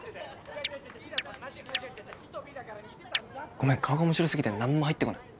ごめん顔がおもしろすぎて何も入ってこない